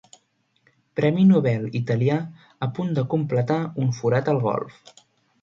Premi Nobel italià a punt de completar un forat al golf.